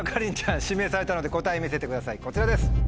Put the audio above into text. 指名されたので答え見せてくださいこちらです。